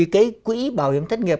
cái quỹ bảo hiểm thất nghiệp